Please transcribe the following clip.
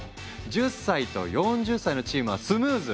１０歳と４０歳のチームはスムーズ！